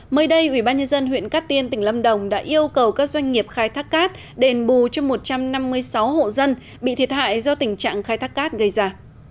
mới đây ubnd huyện cát tiên tỉnh lâm đồng đã yêu cầu các doanh nghiệp khai thác cát đền bù cho một trăm năm mươi sáu hộ dân bị thiệt hại do tình trạng khai thác cát gây ra